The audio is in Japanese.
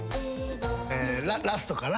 ラストかな。